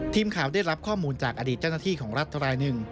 ทีมข่าวได้รับข้อมูลจากอดีตเจ้าหน้าที่ของรัฐรายหนึ่ง